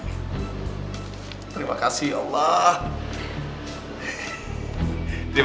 dia ya bers bbq atau admiratorin tu jelek di masa mas relational juga ya